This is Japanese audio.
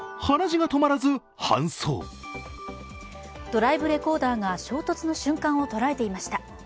ドライブレコーダーが衝突の瞬間を捉えていました。